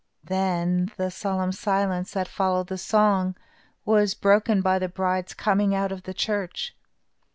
Then the solemn silence, that followed the song, was broken by the bride's coming out of the church.